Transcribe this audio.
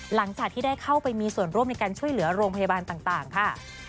หลังจากที่ได้เข้าไปมีส่วนร่วมในการช่วยเหลือโรงพยาบาลต่างค่ะ